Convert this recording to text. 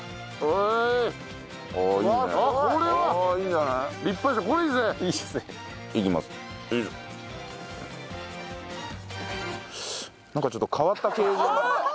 なんかちょっと変わった系の。